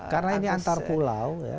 karena ini antar pulau ya